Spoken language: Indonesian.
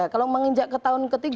kalau menginjak ke tahun ke tiga